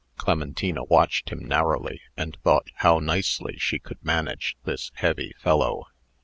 Clementina watched him narrowly, and thought how nicely she could manage this heavy fellow.